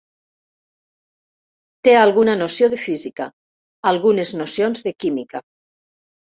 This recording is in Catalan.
Té alguna noció de física, algunes nocions de química.